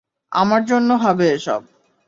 আমার জন্য হবে এসব।